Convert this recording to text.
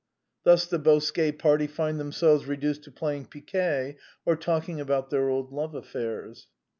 Thus the Bosquet party find them selves reduced to playing piquet, or talking about their old love affairs.